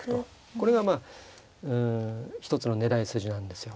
これがまあ一つの狙い筋なんですよ。